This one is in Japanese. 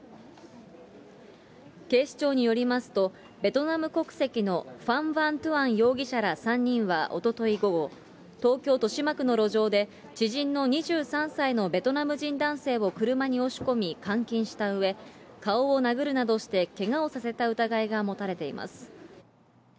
警視庁によりますと、ベトナム国籍のファン・ヴァン・トゥアン容疑者ら３人はおととい午後、東京・豊島区の路上で、知人の２３歳のベトナム人男性を車に押し込み、監禁したうえ、顔を殴るなどしてけがをさせた疑いが持たれています。